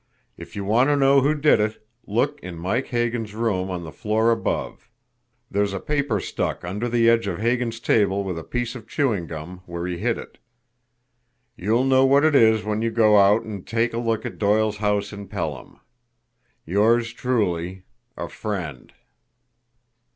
If you want to know who did it, look in Mike Hagan's room on the floor above. There's a paper stuck under the edge of Hagan's table with a piece of chewing gum, where he hid it. You'll know what it is when you go out and take a look at Doyle's house in Pelham. Yours truly, A FRIEND."